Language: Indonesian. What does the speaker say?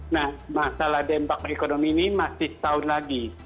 nah masalah dampak ekonomi ini masih setahun lagi